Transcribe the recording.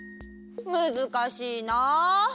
むずかしいな。